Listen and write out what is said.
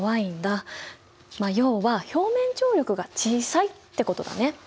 まあ要は表面張力が小さいってことだね！